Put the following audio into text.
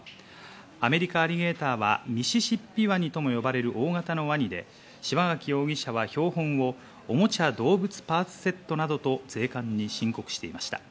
アメリカアリゲーターはミシシッピワニとも呼ばれる大型のワニで、柴垣容疑者は標本を、オモチャ、動物パーツセットなどと税関に申告していました。